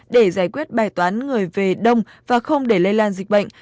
để giải quyết bài toán người về đông và không để lây lan dịch bệnh